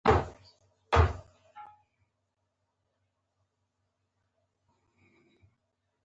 آیا کاناډا د پارکونو اداره نلري؟